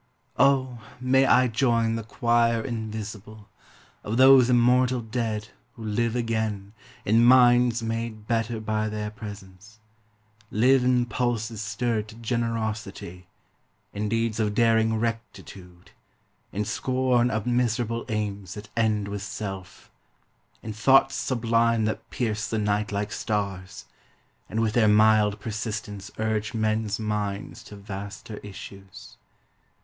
O, may I join the choir invisible Of those immortal dead who live again In minds made better by their presence; live In pulses stirred to generosity, In deeds of daring rectitude, in scorn Of miserable aims that end with self, In thoughts sublime that pierce the night like stars, And with their mild persistence urge men's minds To vaster issues.